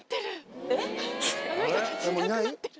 あの人たちいなくなってる。